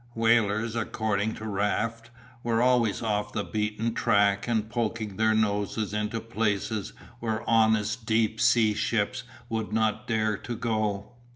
Whalers according to Raft were always off the beaten track and poking their noses into places where honest deep sea ships would not dare to go.